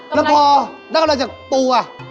แล้วพอแล้วก็อะไรจากปูล่ะ